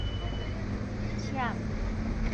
攕